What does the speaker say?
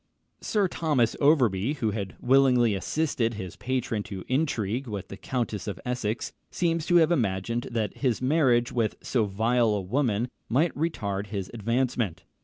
Sir Thomas Overbury, who had willingly assisted his patron to intrigue with the Countess of Essex, seems to have imagined that his marriage with so vile a woman might retard his advancement.